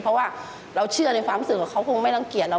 เพราะว่าเราเชื่อในความรู้สึกว่าเขาคงไม่รังเกียจเรา